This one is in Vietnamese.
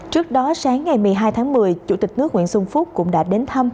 trước đó sáng ngày một mươi hai tháng một mươi chủ tịch nước nguyễn xuân phúc cũng đã đến thăm